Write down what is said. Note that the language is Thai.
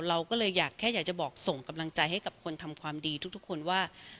เราก็เลยอยากแค่อยากจะบอกส่งกำลังใจให้กับคนทำความดีทุกคนว่า